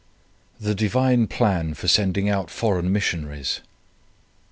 THE DIVINE PLAN FOR SENDING OUT FOREIGN MISSIONARIES.